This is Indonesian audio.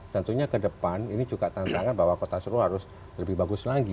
tentunya ke depan ini juga tantangan bahwa kota solo harus lebih bagus lagi